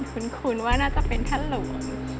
คุ้นว่าน่าจะเป็นท่านหลวง